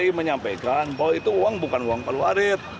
saya menyampaikan bahwa itu uang bukan uang palu arit